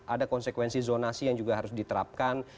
ada konsekuensi zonasi yang juga harus diterapkan